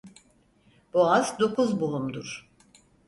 Boğaz dokuz boğumdur.